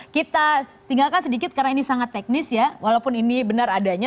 kita tinggalkan sedikit karena ini sangat teknis ya walaupun ini benar adanya